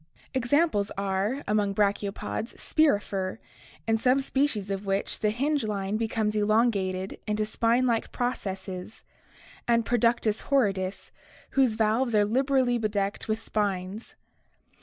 Examples are, among brachiopods, Spirifer, in some species of which the hinge line becomes elongated into spine like processes, and Produdus horridus, whose valves are liberally bedecked with spines.